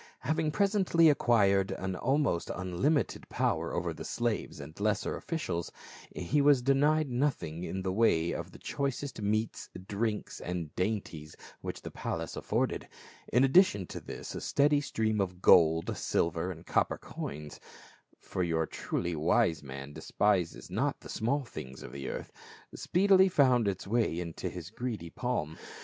Having presently acquired an almost unlimited power over the slaves and lesser officials, he was de nied nothing in the way of the choicest meats, drinks and dainties which the palace afforded ; in addition to this a steady stream of gold, silver and copper coins — for your truly wise man despises not the small things of the earth — speedily found its way into his greedy palm.